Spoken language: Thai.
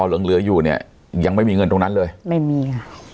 เหลืออยู่เนี่ยยังไม่มีเงินตรงนั้นเลยไม่มี